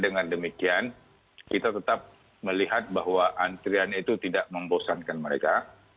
dan demikian kita tetap melihat bahwa antrian itu tidak membosankan mereka